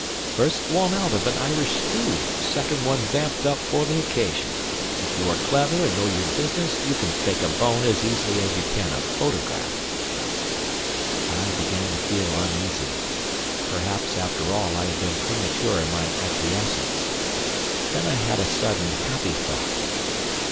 "First one out of an Irish stew. Second one vamped up for the occasion. If you are clever and know your business you can fake a bone as easily as you can a photograph." I began to feel uneasy. Perhaps, after all, I had been premature in my acquiescence. Then I had a sudden happy thought.